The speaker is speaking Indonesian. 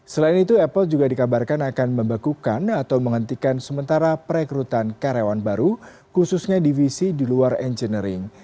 selain itu apple juga dikabarkan akan membekukan atau menghentikan sementara perekrutan karyawan baru khususnya divisi di luar engineering